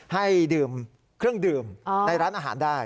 ให้ดื่มเครื่องดื่มในร้านอาหารได้